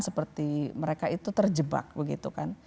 seperti mereka itu terjebak begitu kan